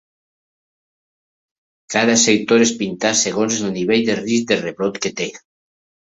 Cada sector és pintat segons el nivell de risc de rebrot que té.